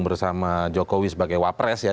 bersama jokowi sebagai wapres ya